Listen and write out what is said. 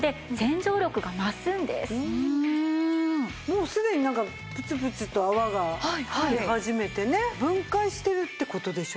もうすでになんかプツプツと泡が出始めてね分解してるって事でしょうかね？